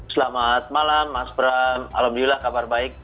selamat malam mas bram alhamdulillah kabar baik